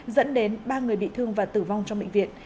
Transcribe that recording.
dẫn đến ba người bị thương và tử vong trong bệnh viện